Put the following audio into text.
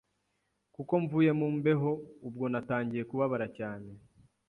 kuko mvuye mu mbeho, ubwo natangiye kubabara cyane